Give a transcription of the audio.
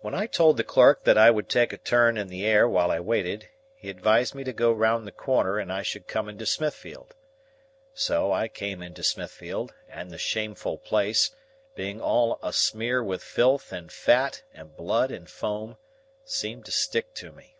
When I told the clerk that I would take a turn in the air while I waited, he advised me to go round the corner and I should come into Smithfield. So I came into Smithfield; and the shameful place, being all asmear with filth and fat and blood and foam, seemed to stick to me.